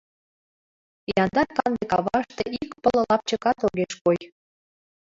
Яндар канде каваште ик пыл лапчыкат огеш кой.